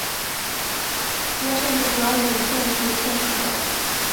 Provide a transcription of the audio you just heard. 原城内主要建筑有县署等。